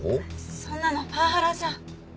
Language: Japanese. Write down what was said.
そんなのパワハラじゃ。